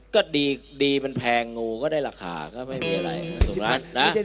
ก็ดีดีมันแพงงูก็ได้ราคาก็ไม่มีอะไร